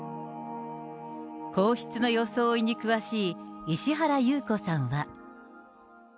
皇室の装いに詳しい石原裕子さんは。